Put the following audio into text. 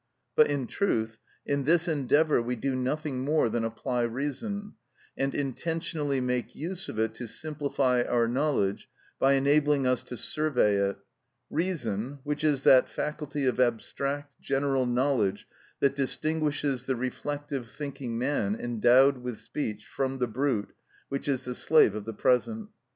But, in truth, in this endeavour we do nothing more than apply reason, and intentionally make use of it to simplify our knowledge by enabling us to survey it—reason, which is that faculty of abstract, general knowledge that distinguishes the reflective, thinking man, endowed with speech, from the brute, which is the slave of the present.